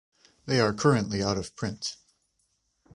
They are currently out of print.